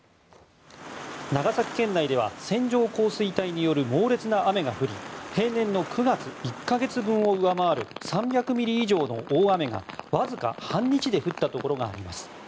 長崎県内では線状降水帯による猛烈な雨が降り平年の９月１か月分を上回る３００ミリ以上の大雨がわずか半日で降ったところがあります。